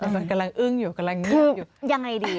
มันกำลังอึ้งอยู่เกิดอะไรดิ